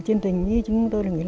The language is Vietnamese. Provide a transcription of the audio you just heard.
trên tình với chúng tôi là